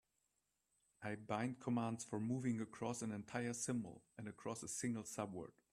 I bind commands for moving across an entire symbol and across a single subword.